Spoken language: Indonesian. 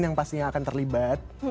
yang pastinya akan terlibat